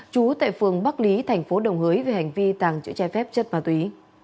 chú tại phường bắc lý thành phố đồng hới về hành vi tàng chữ trai phép chất ma túy